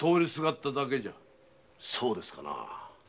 そうですかな？